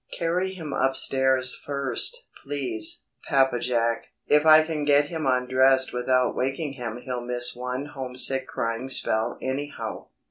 Carry him up stairs first, please, Papa Jack. If I can get him undressed without waking him he'll miss one homesick crying spell anyhow."